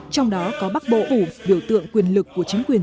trong đó có bắc bộ ủ biểu tượng quyền lực của chính quyền